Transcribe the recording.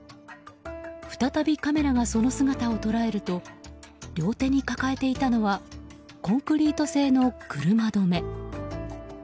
再びカメラがその姿を捉えると両手に抱えていたのはコンクリート製の車止め。